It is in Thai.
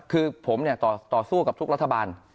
คือผมต่อสู้กับทุกรัฐบาล